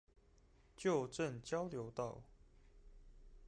舊正交流道